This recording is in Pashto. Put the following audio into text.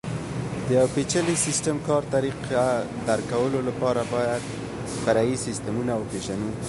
د یوه پېچلي سیسټم کار طریقه درک کولو لپاره باید فرعي سیسټمونه وپېژنو.